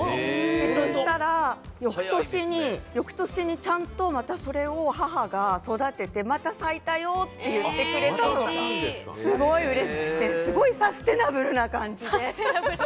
そしたら翌年にちゃんとまたそれを母が育てて、また咲いたよ！って言ってくれって、すごいうれしくて、すごいサステナブルな感じ。